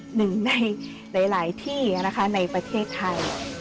หนึ่งในหลายที่นะคะในประเทศไทย